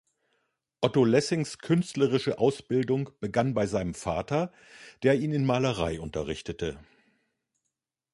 Otto Lessings künstlerische Ausbildung begann bei seinem Vater, der ihn in Malerei unterrichtete.